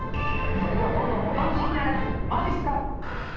それではどうぞ、お楽しみあれ、まじっすか。